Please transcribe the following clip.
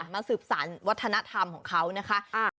มาสืบสารวัฒนธรรมของเขานะคะ